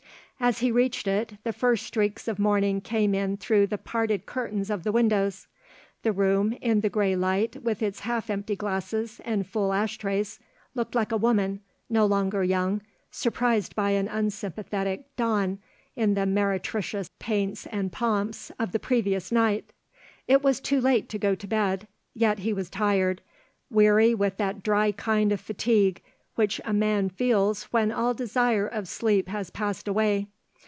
As he reached it, the first streaks of morning came in through the parted curtains of the windows. The room, in the grey light with its half empty glasses and full ashtrays, looked like a woman, no longer young, surprised by an unsympathetic dawn in the meretricious paints and pomps of the previous night. It was too late to go to bed; yet he was tired, weary with that dry kind of fatigue which a man feels when all desire of sleep has passed away.